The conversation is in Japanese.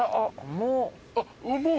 もう？